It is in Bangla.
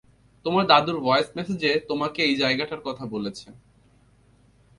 তোমার দাদুর ভয়েস মেসেজে তোমাকে এই জায়গাটার কথা বলছে।